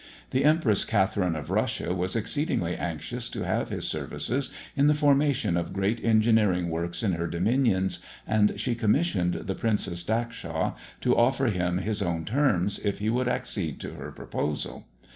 The Empress Catherine of Russia was exceedingly anxious to have his services in the formation of great engineering works in her dominions, and she commissioned the Princess Dackshaw to offer him his own terms, if he would accede to her proposal.